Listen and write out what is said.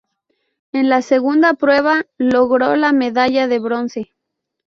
En la segunda prueba logró la medalla de bronce.